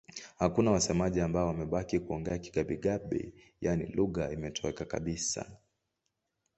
Hakuna wasemaji ambao wamebaki kuongea Kigabi-Gabi, yaani lugha imetoweka kabisa.